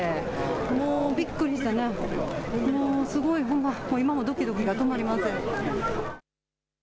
もうびっくりしたな、すごい、ほんま、今もどきどきが止まりません。